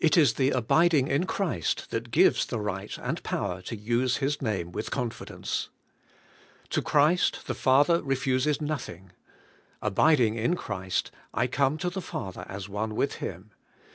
It is the abiding in Christ that gives the right and power to use His name with confidence. To Christ the Father refuses nothing. Abiding in Christ, I come to the Father as one with Him.